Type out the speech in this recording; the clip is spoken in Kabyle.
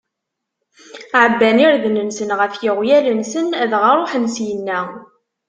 Ɛebban irden-nsen ɣef yeɣyal-nsen, dɣa ṛuḥen syenna.